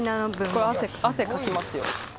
これ汗かきますよ。